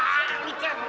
ah ini kaget aduh